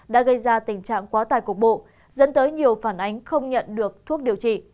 đã gây ra tình trạng quá tài cục bộ dẫn tới nhiều phản ánh không nhận được thuốc điều trị